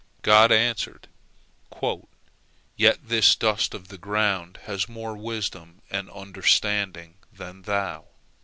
God answered, "Yet this dust of the ground has more wisdom and understanding than thou."